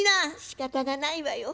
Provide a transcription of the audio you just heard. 「しかたがないわよ。